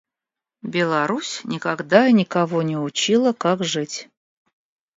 Беларусь никогда и никого не учила как жить.